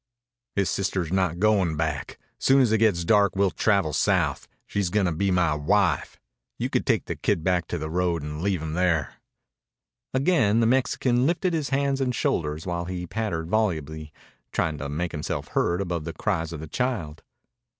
"His sister's not going back. Soon as it gets dark we'll travel south. She's gonna be my wife. You can take the kid back to the road an' leave him there." Again the Mexican lifted hands and shoulders while he pattered volubly, trying to make himself heard above the cries of the child.